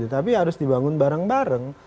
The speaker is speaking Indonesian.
tapi harus dibangun bareng bareng